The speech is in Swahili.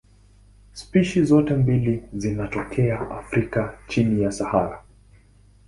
Spishi zote mbili zinatokea Afrika chini ya Sahara.